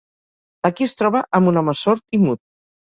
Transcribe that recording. Aquí es troba amb un home sord i mut.